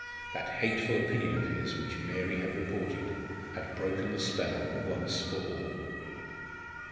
That hateful opinion of his, which Mary had reported, had broken the spell once for all.